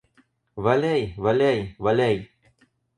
Валяй, валяй, валяй!